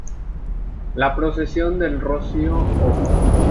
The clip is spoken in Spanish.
La procesión del Rocío Op.